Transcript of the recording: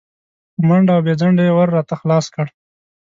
په منډه او بې ځنډه یې ور راته خلاص کړ.